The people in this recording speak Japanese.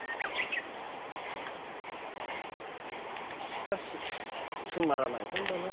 しかしつまらない本だな。